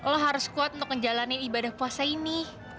lo harus kuat untuk menjalani ibadah puasa ini